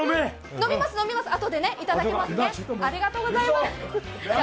飲みます、飲みます、あとでいただきます。